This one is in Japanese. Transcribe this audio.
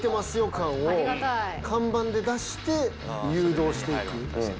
感を看板で出して、誘導していく。